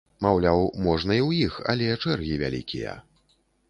Маўляў, можна і ў іх, але чэргі вялікія.